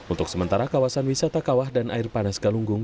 untuk sementara kawasan wisata kawah dan air panas galunggung